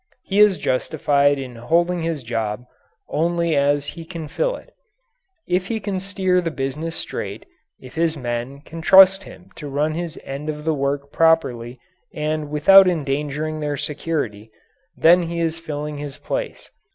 He is justified in holding his job only as he can fill it. If he can steer the business straight, if his men can trust him to run his end of the work properly and without endangering their security, then he is filling his place.